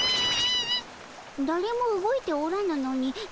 だれも動いておらぬのになぜじゃ。